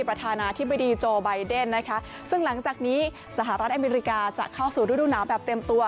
ประธานาธิบดีโจไบเดนนะคะซึ่งหลังจากนี้สหรัฐอเมริกาจะเข้าสู่ฤดูหนาวแบบเต็มตัว